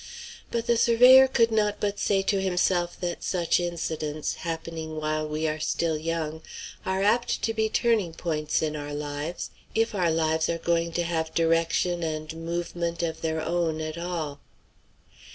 But the surveyor could not but say to himself that such incidents, happening while we are still young, are apt to be turning points in our lives, if our lives are going to have direction and movement of their own at all.